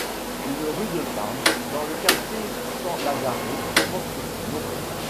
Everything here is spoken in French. Une rue de Parme, dans le quartier San Lazzaro, porte son nom.